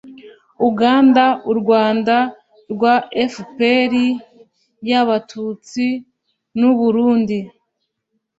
uganda, u rwanda rwa fpr y'abatutsi, n'u burundi